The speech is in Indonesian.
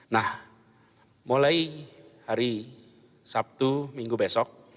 nah mulai hari sabtu minggu besok